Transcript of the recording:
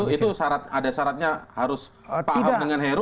itu ada syaratnya harus pak ahok dengan heru